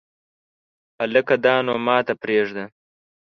هلکه دا نو ماته پرېږده !